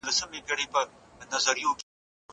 ما پرېږده چي مي ستونی په سلګیو اوبومه